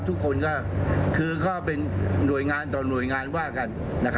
ทุกคนก็คือก็เป็นหน่วยงานต่อหน่วยงานว่ากัน